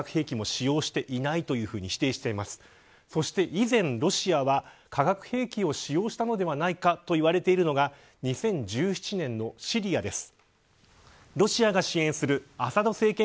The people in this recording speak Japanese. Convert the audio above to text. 以前ロシアは化学兵器を使用したのではないかと言われているのが２０１７年のシリアです。